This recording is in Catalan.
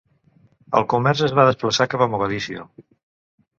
El comerç es va desplaçar cap a Mogadiscio.